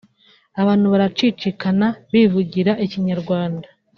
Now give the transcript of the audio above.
Abantu baracicikana bivugira Ikinyarwanda